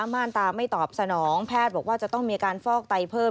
ม่านตาไม่ตอบสนองแพทย์บอกว่าจะต้องมีอาการฟอกไตเพิ่ม